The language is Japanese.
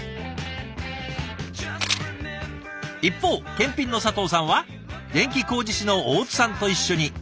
一方検品の佐藤さんは電気工事士の大津さんと一緒に。